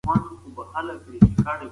پر هرات باندې تعرض کول په معاهده کي منع دي.